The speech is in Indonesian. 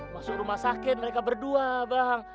masuk rumah sakit mereka berdua bang